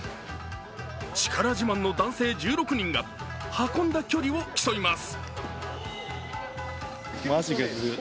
力自慢の男性１６人が運んだ距離を競います。